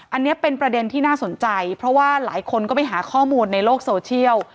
อันนี้เป็นประเด็นที่น่าสนใจเพราะว่าหลายคนก็ไปหาข้อมูลในโลกโซเชียล